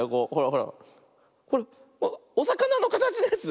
ほらおさかなのかたちのやつ。